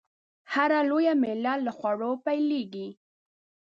هره لويه میله له خوړو پیلېږي.